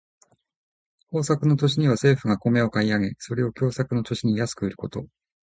豊作の年には政府が米を買い上げ、それを凶作の年に安く売ること。